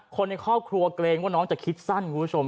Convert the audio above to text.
คนในครอบครัวเกรงว่าน้องจะคิดสั้นคุณผู้ชม